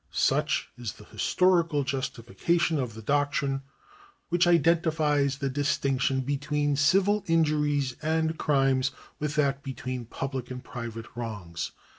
8uch is the historical justification of the doctrine which identifies the distinction between civil injuries and crimes with that between public and private wrongs.